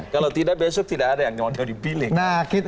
kalau tidak besok tidak ada yang mau dibelik